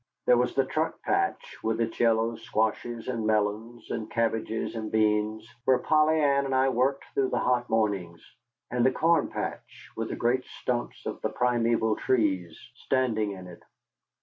There was the truck patch, with its yellow squashes and melons, and cabbages and beans, where Polly Ann and I worked through the hot mornings; and the corn patch, with the great stumps of the primeval trees standing in it.